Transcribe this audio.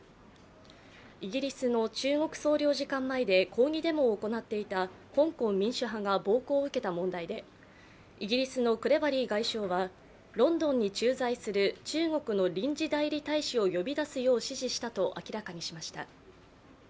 イギリスの中国総領事館前で抗議デモを行っていた香港民主派が暴行を受けた問題でイギリスのクレバリー外相はロンドンに駐在する中国の臨時代理大使を呼び出すよう指示したと明らかにしました。